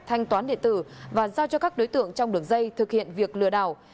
thanh toán địa tử và giao cho các đối tượng trong đường dây thực hiện việc lừa đảo